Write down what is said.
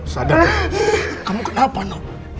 sadar kamu kenapa noh